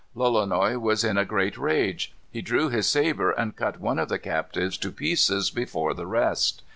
Lolonois was in a great rage. He drew his sabre and cut one of the captives to pieces before the rest.